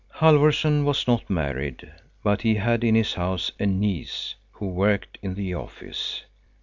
Halfvorson was not married, but he had in his house a niece who worked in the office.